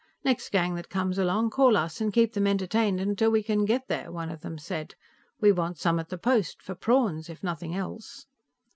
"Next gang that comes along, call us and keep them entertained till we can get here," one of them said. "We want some at the post, for prawns if nothing else."